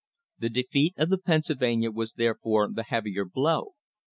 The defeat of the Pennsylvania was therefore the heavier blow.